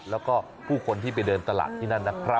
แล้วก็ผู้คนที่ไปเดินตลาดที่นั่นนะครับ